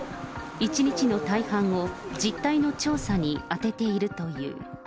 一日の大半を実態の調査に充てているという。